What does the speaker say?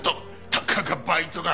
たかがバイトが。